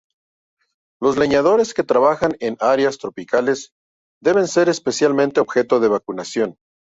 Los leñadores que trabajan en áreas tropicales deben ser especialmente objeto de vacunación.